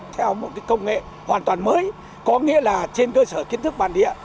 theo một công nghệ hoàn toàn mới có nghĩa là trên cơ sở kiến thức bản địa